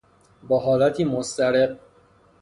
با حالتی مضطرب